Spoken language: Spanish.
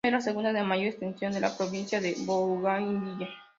Es la segunda de mayor extensión de la provincia de Bougainville.